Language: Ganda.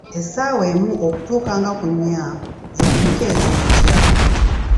Essaawa emu okutuuka nga ku nnya, ze tuyita ez'enkya’